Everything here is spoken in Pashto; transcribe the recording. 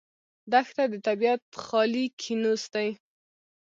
دښته د طبیعت خالي کینوس دی.